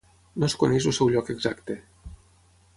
No es coneix el seu lloc exacte.